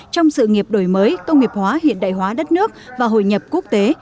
trong sự nghiệp đổi mới công nghiệp hóa hiện đại hóa đất nước và hội nhập quốc tế